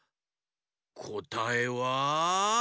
こたえは。